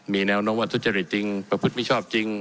มีแนวโน้มว่าทุจริตจริงประพฤติมิชอบจริง